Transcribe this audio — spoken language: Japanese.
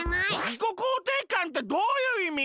自己肯定感ってどういう意味？